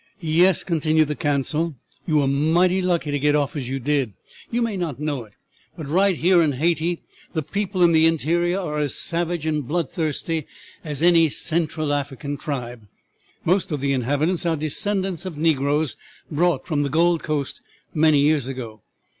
"Yes," continued the consul, "you were mighty lucky to get off as you did. You may not know it, but right here in Hayti the people in the interior are as savage and bloodthirsty as any Central African tribe. Most of the inhabitants are descendants of negroes brought from the Gold Coast many years ago.